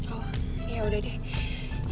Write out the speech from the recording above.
oh yaudah deh